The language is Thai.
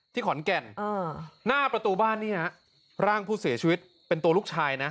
ขอนแก่นหน้าประตูบ้านเนี่ยร่างผู้เสียชีวิตเป็นตัวลูกชายนะ